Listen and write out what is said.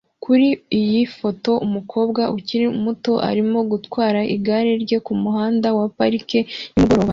Kuri iyi foto, umukobwa ukiri muto arimo gutwara igare rye kumuhanda wa parike nimugoroba